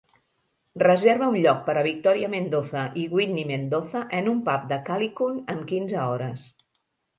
Reserva un lloc per a Victoria Mendoza i Whitney Mendoza en un pub de Callicoon en quinze hores.